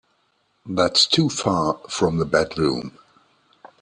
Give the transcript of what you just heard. That's too far from the bedroom.